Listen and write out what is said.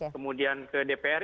kemudian ke dpr